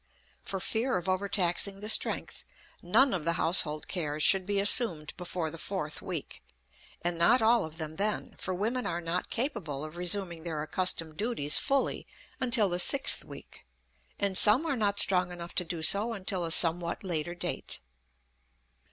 For fear of overtaxing the strength none of the household cares should be assumed before the fourth week, and not all of them then, for women are not capable of resuming their accustomed duties fully until the sixth week; and some are not strong enough to do so until a somewhat later date.